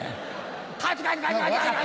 カチカチカチカチ！